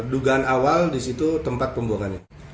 dugaan awal di situ tempat pembuangannya